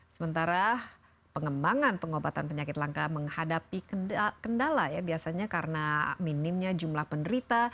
sementara pengembangan pengobatan penyakit langka menghadapi kendala ya biasanya karena minimnya jumlah penderita